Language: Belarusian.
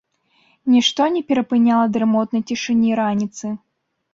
Нішто не перапыняла дрымотнай цішыні раніцы.